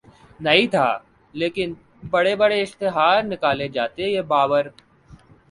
نہیں تھا لیکن بڑے بڑے اشتہارات نکالے جاتے یہ باور